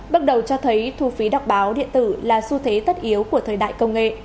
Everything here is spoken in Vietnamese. bước đầu cho thấy thu phí đọc báo điện tử là xu thế tất yếu của thời đại công nghệ